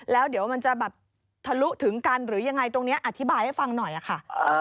แล้วเดี๋ยวมันจะแบบทะลุถึงกันหรือยังไงตรงนี้อธิบายให้ฟังหน่อยค่ะ